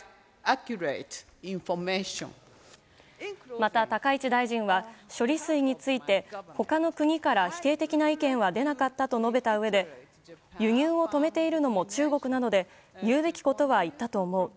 また高市大臣は処理水について他の国から否定的な意見は出なかったと述べたうえで輸入を止めているのも中国なので言うべきことは言ったと思う。